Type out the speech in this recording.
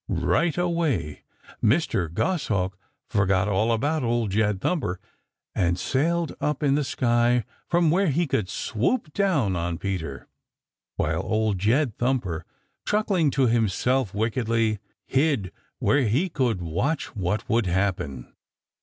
Right; away Mr. Goshawk forgot all about Old Jed Thumper and sailed up in the sky from where he could swoop down on Peter, while Old Jed Thumper, chuckling to himself wickedly, hid where he could watch what would happen.